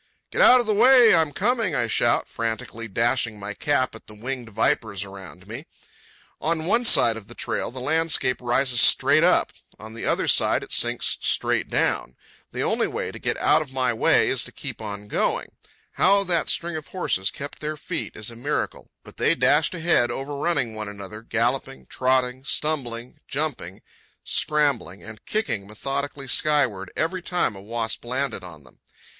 "Get out of the way! I'm coming!" I shout, frantically dashing my cap at the winged vipers around me. On one side of the trail the landscape rises straight up. On the other side it sinks straight down. The only way to get out of my way is to keep on going. How that string of horses kept their feet is a miracle; but they dashed ahead, over running one another, galloping, trotting, stumbling, jumping, scrambling, and kicking methodically skyward every time a wasp landed on them.